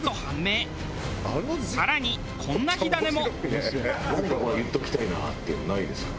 更にこんな火種も。